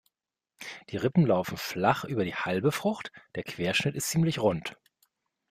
Die Rippen laufen flach über die halbe Frucht, der Querschnitt ist ziemlich rund.